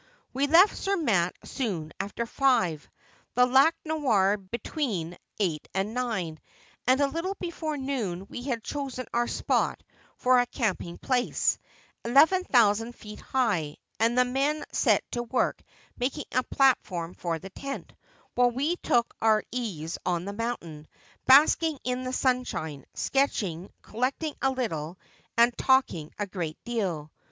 ' We left Zermatt soon after five, the Lac Noir between eight and nine, and a little before noon we had chosen our spot for a camping place, eleven thousand feet high, and the men set to work making a platform for the tent, while we took our ease on the mountain, basking in the sunshine, sketching, col lecting a little, and talking a great deal.